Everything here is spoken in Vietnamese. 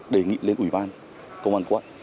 đề nghị lên ủy ban công an quận